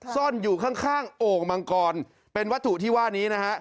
ซ่อนอยู่ข้างโอ่งมังกรเป็นวัตถุที่ว่านี้นะฮะ